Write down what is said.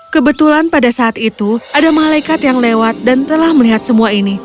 kebetulan pada saat itu ada malaikat yang lewat dan telah melihat semua ini